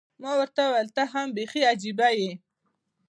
ما ورته وویل، ته هم بیخي عجيبه یې.